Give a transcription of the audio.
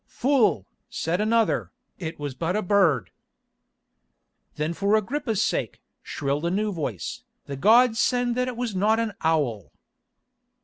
"Fool," said another, "it was but a bird." "Then for Agrippa's sake," shrilled a new voice, "the gods send that it was not an owl."